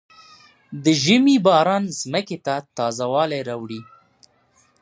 د ژمي باران ځمکې ته تازه والی راوړي.